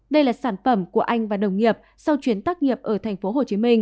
đây là sản phẩm của anh và đồng nghiệp sau chuyến tác nghiệp ở tp hcm